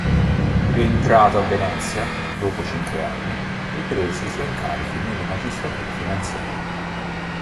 Rientrato a Venezia dopo cinque anni, riprese i suoi incarichi nelle magistrature finanziarie.